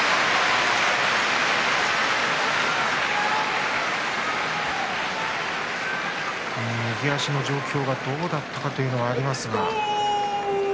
拍手右足の状況がどうだったかということはありますが。